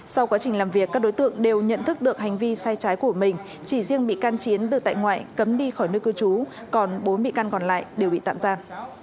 sau quá trình làm việc các đối tượng đều nhận thức được hành vi sai trái của mình chỉ riêng bị can chiến được tại ngoại cấm đi khỏi nơi cư trú còn bốn bị can còn lại đều bị tạm giam